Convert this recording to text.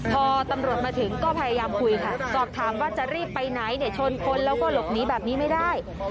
พอตำรวจมาถึงก็พยายามคุยค่ะสอบถามว่าจะรีบไปไหนเนี่ยชนคนแล้วก็หลบหนีแบบนี้ไม่ได้